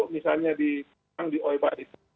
misalnya di oeba